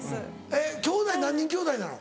えっきょうだい何人きょうだいなの？